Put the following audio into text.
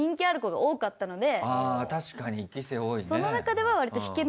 あぁ確かに１期生多いね。